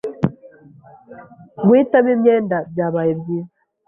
Guhitamo imyenda byabaye byiza.